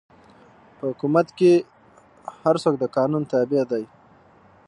په حکومت کښي هر څوک د قانون تابع دئ.